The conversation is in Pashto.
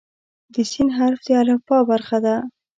د "س" حرف د الفبا برخه ده.